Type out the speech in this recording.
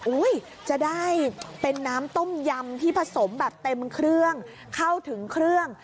จะได้เป็นน้ำต้มยำที่ผสมแบบเต็มเครื่องเข้าถึงเครื่อง